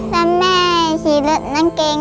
สับแม่ฉีดเลือดน้ำเกง